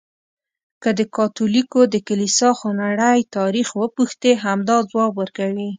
که د کاتولیکو د کلیسا خونړی تاریخ وپوښتې، همدا ځواب ورکوي.